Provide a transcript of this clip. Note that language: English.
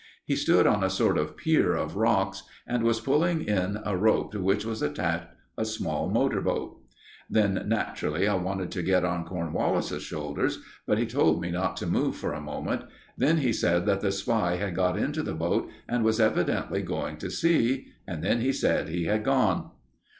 He stood on a sort of pier of rocks, and was pulling in a rope to which was attached a small motor boat. Then naturally I wanted to get on Cornwallis's shoulders, but he told me not to move for a moment. Then he said that the spy had got into the boat and was evidently going to sea. And then he said he had gone.